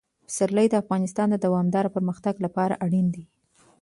پسرلی د افغانستان د دوامداره پرمختګ لپاره اړین دي.